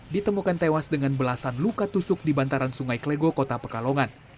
ditemukan tewas dengan belasan luka tusuk di bantaran sungai klego kota pekalongan